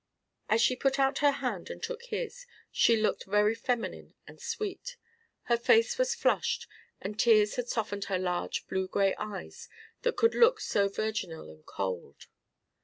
As she put out her hand and took his, she looked very feminine and sweet. Her face was flushed and tears had softened her large blue grey eyes that could look so virginal and cold.